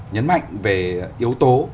nhấn mạnh về yếu tố